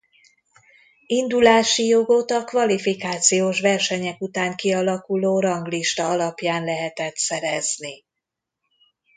Indulási jogot a kvalifikációs versenyek után kialakuló ranglista alapján lehetett szerezni.